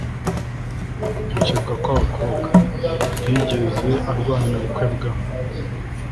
gukebwa kw'abakobwa. ntiyigeze arwanya ubukwe bwa